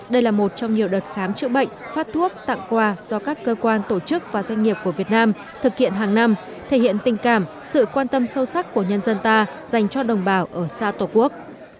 đây là một trong nhiều đợt khám chữa bệnh phát thuốc tặng quà do các cơ quan tổ chức và doanh nghiệp của việt nam thực hiện hàng năm thể hiện tình cảm sự quan tâm sâu sắc của nhân dân ta dành cho đồng bào ở xa tổ quốc